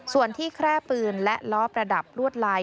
ส่วนที่แคร่ปืนและล้อประดับลวดลาย